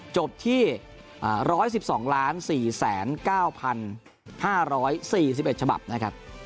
จบที่๑๑๒๔๙๕๔๑ฉบับนะครับ